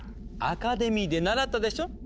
アカデミーで習ったでしょ？